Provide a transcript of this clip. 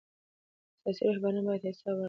سیاسي رهبران باید حساب ورکړي